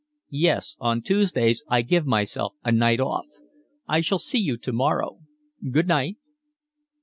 "Yes, on Tuesdays I give myself a night off. I shall see you tomorrow. Good night."